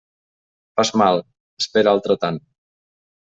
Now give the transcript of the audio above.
Fas mal, espera altre tant.